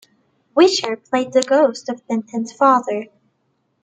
Wisher played the ghost of Benton's father.